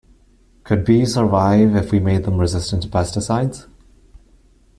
Could bees survive if we made them resistant to pesticides?